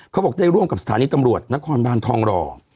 เขาบอกได้ร่วมกับสถานีตำรวจนครบานทองหล่อ